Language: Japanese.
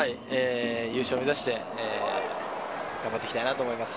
優勝を目指して頑張っていきたいなと思います。